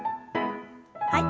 はい。